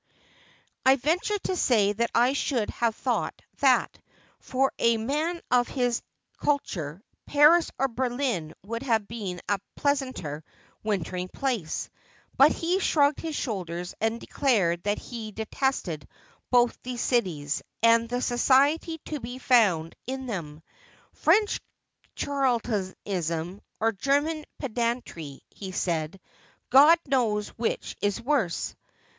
' I ventured to say that I should have thought that, for a man of his culture, Paris or Berlin would have been a pleasanter wintering place ; but he shrugged his shoulders and declared that he detested both these cities, and the society to be found in them. " French charlatanism or German pedantry," he said, " God knows which is worse."